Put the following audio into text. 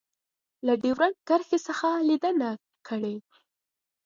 له ډیورنډ کرښې څخه لیدنه کړې